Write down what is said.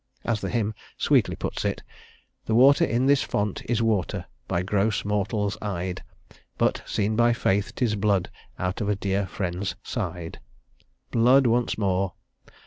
As the hymn sweetly puts it: "The water in this font Is water, by gross mortals eyed; But, seen by faith, 'tis blood Out of a dear friend's side." Blood once more!